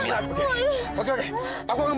aduh aku mau ke rumah sakit dong